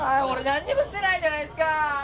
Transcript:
俺何にもしてないじゃないですか